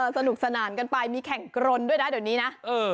สนุกสนานกันไปมีแข่งกรนด้วยนะเดี๋ยวนี้นะ